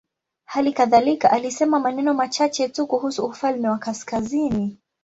Hali kadhalika alisema maneno machache tu kuhusu ufalme wa kaskazini.